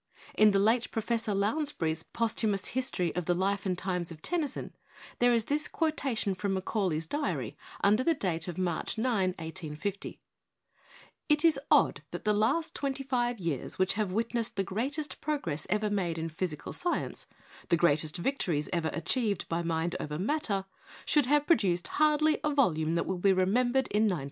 In the late Professor Lounsbury's posthumous history of the 'Life and Times of Tennyson/ there is this quotation from Macau lay's diary, under date of March 9, 1850: "It is odd that the last twenty five years which have witnessed the greatest progress ever made in physical science the greatest victories ever achieved by mind over matter should have produced hardly a volume that will be remem bered in 1900."